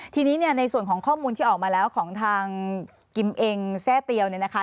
ทีนี้เนี่ยในส่วนของข้อมูลที่ออกมาแล้วของทางกิมเองแทร่เตียวเนี่ยนะคะ